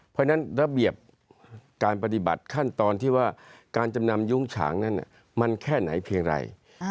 เพราะฉะนั้นระเบียบการปฏิบัติขั้นตอนที่ว่าการจำนำยุ้งฉางนั้นมันแค่ไหนเพียงไร